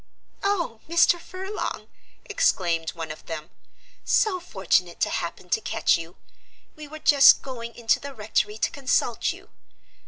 "Oh, Mr. Furlong," exclaimed one of them, "so fortunate to happen to catch you; we were just going into the rectory to consult you.